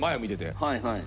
はいはい。